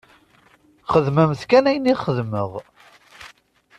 Xedmemt kan ayen i xedmeɣ!